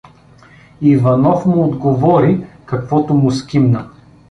Иванов му отговори, каквото му скимна.